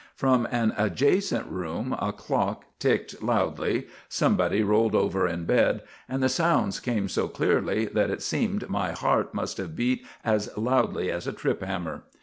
From an adjacent room a clock ticked loudly; somebody rolled over in bed, and the sounds came so clearly that it seemed my heart must have beat as loudly as a trip hammer.